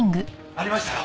ありましたよ。